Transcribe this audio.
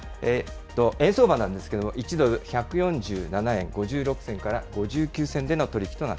円相場なんですけれども、１ドル１４７円５６銭から５９銭での取